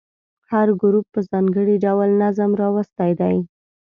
هر ګروپ په ځانګړي ډول نظم راوستی دی.